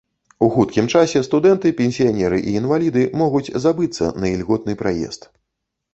У хуткім часе студэнты, пенсіянеры і інваліды могуць забыцца на ільготны праезд.